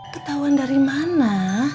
ketauan dari mana